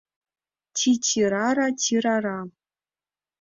Ти-ти-ра-ра, ти-ра-ра